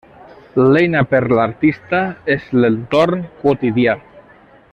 L'eina per l'artista és l'entorn quotidià.